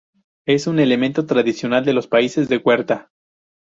Es un elemento tradicional de los países de huerta.